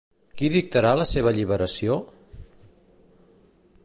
Qui dictarà la seva alliberació?